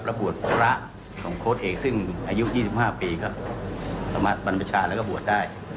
และบวชพระของโค้ดเอกซึ่งอายุ๒๕ปีก็สามารถบรรพชาแล้วก็บวชได้